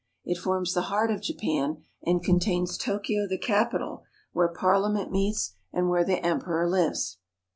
It forms the heart of Japan, and contains Tokyo, the capital, where Parliament meets and where the Emperor lives.